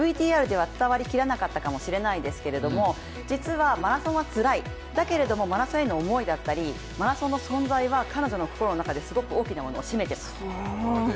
ＶＴＲでは伝わりきらなかったかもしれないですけど、実はマラソンはつらい、だけれども、マラソンへの思いだったりマラソンの存在は彼女の中ですごい大きなものを担っている。